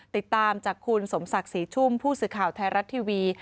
ติดตามจากคุณสมศักดิ์ศรีชุ่มผู้สื่อข่าวไทยรัฐทีวี